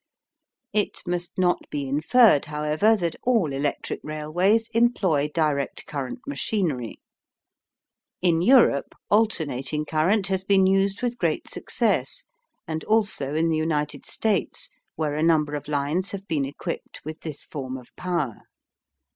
It must not be inferred, however, that all electric railways employ direct current machinery. In Europe alternating current has been used with great success and also in the United States where a number of lines have been equipped with this form of power.